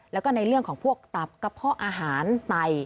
แล้วก็ในเรื่องของพวกตับกระเพาะอาหารไต